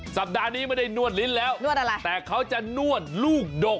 สัปดาห์นี้มันได้นวดลิ้นแล้วแต่เขาจะนวดลูกดก